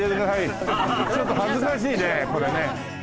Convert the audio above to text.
ちょっと恥ずかしいねこれね。